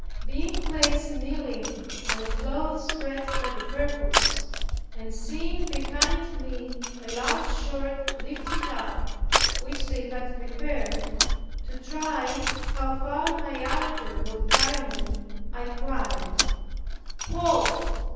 Being placed kneeling on a cloth spread for the purpose, and seeing behind me a large sword lifted up which they had prepared to try how far my ardor would carry me I cried, "Hold!